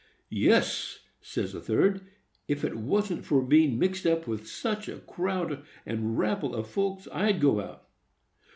"Yes," says a third; "if it wasn't for being mixed up with such a crowd and rabble of folks, I'd go out."